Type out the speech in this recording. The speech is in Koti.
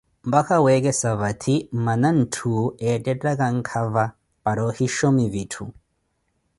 Mpaka weekesa vathi mmana ntthu eettettakha nkava, para ohinshomi vitthu.